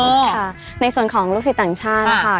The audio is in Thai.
ก็ค่ะในส่วนของลูกศิษย์ต่างชาตินะคะ